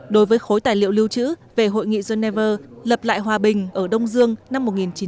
đối với khối tài liệu lưu trữ về hội nghị geneva lập lại hòa bình ở đông dương năm một nghìn chín trăm bảy mươi năm